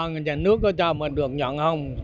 nhà nước có cho mà được nhận không